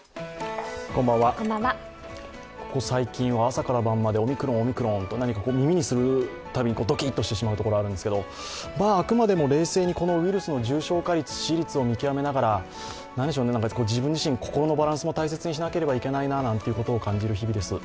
ここ最近は朝から晩までオミクロン、オミクロンと、何か耳にするたびにドキッとしてしまうところがあるんですがあくまでも冷静にこのウイルスの重症化率、致死率を見極めながら、自分自身心のバランスも大切にしなければいけないなと感じる日々です。